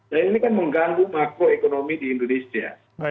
nah ini kan mengganggu makro ekonomi di indonesia